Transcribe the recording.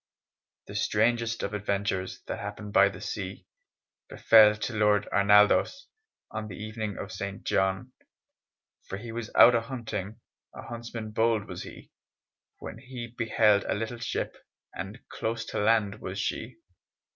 The strangest of adventures, That happen by the sea, Befell to Lord Arnaldos On the Evening of St. John; For he was out a hunting A huntsman bold was he! When he beheld a little ship And close to land was she.